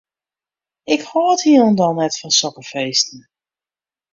Ik hâld hielendal net fan sokke feesten.